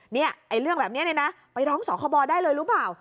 เนี้ยไอ้เรื่องแบบเนี้ยเนี้ยนะไปร้องสองคบได้เลยรู้เปล่า